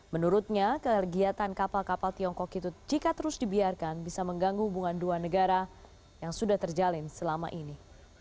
menurutnya kegiatan kapal kapal tiongkok itu jika terus dibiarkan bisa mengganggu hubungan dua negara yang sudah terjalin selama ini